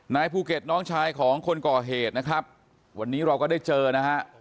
ภูเก็ตน้องชายของคนก่อเหตุนะครับวันนี้เราก็ได้เจอนะฮะ